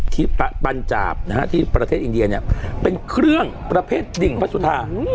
ที่ปัญจาบนะฮะที่ประเทศอินเดียเนี่ยเป็นเครื่องประเภทดิ่งพระสุธา